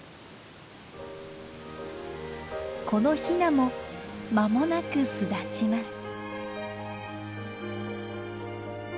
このヒナも間もなく巣立ちます。